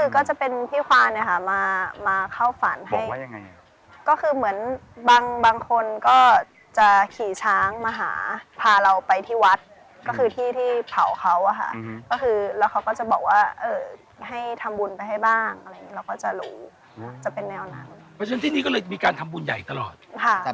ก็ผมก็เลยตะโกนบอกให้ทุกคนไปอีกทางหนึ่ง